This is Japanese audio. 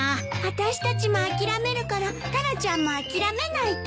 あたしたちも諦めるからタラちゃんも諦めないと。